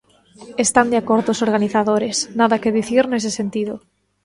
Están de acordo os organizadores, nada que dicir nese sentido.